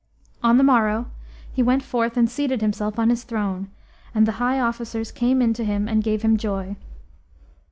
On the morrow he went forth and seated himself on his throne, and the high officers came in to him and gave him joy.